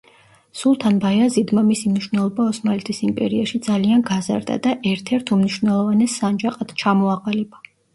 სულთან ბაიაზიდმა მისი მნიშვნელობა ოსმალეთის იმპერიაში ძალიან გაზარდა და ერთ-ერთ უმნიშვნელოვანეს სანჯაყად ჩამოაყალიბა.